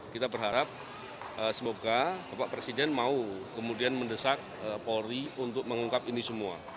kita berharap semoga bapak presiden mau kemudian mendesak polri untuk mengungkap ini semua